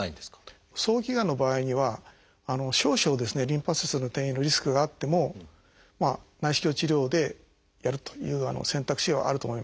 早期がんの場合には少々リンパ節への転移のリスクがあっても内視鏡治療でやるという選択肢はあると思います。